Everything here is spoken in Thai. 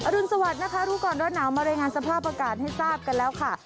รุนสวัสดิ์นะคะรู้ก่อนร้อนหนาวมารายงานสภาพอากาศให้ทราบกันแล้วค่ะ